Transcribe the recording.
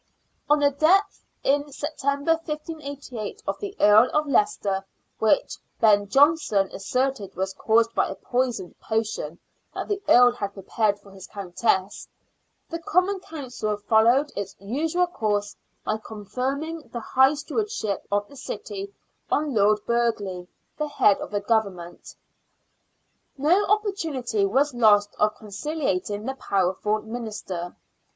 On the death, in September, 1588, of the Earl of Leicester — which Ben Jonson asserted was caused by a poisoned potion that the earl had prepared for his countess — the Common Council followed its usual course by con ferring the High Stewardship of the city on Lord Burghley, the head of the Government. No opportunity was lost of concihating the powerful minister.